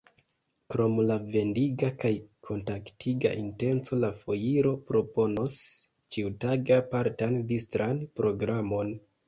Krom la vendiga kaj kontaktiga intenco, la foiro proponos ĉiutage apartan distran programon.